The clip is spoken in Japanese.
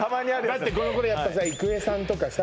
だってこの頃やっぱさ郁恵さんとかさ